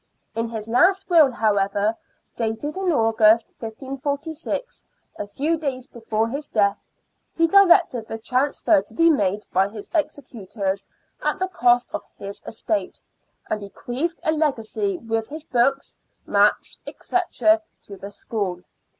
In his last will, however, dated in August, 1546, a few days before his death, he directed the transfer to be made by his executors at the cost of his estate, and bequeathed a legacy, with his books, maps, &c., to the school.